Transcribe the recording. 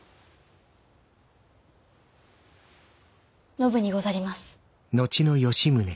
信にござります。